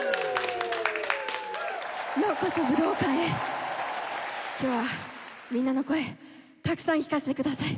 ようこそ武道館へ今日はみんなの声たくさん聞かせてください